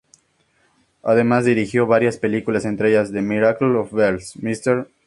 Además, dirigió varias películas, entre ellas "The Miracle of the Bells", "Mr.